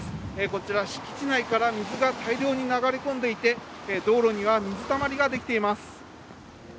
こちら敷地内から水が大量に流れ込んでいて、道路には水たまりができています。